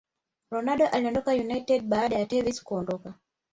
Ronaldo aliondoka United baada ya Tevez kuondoka